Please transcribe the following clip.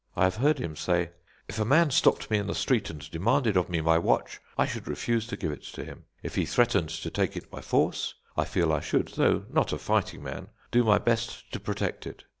I have heard him say: "If a man stopped me in the street and demanded of me my watch, I should refuse to give it to him. If he threatened to take it by force, I feel I should, though not a fighting man, do my best to protect it.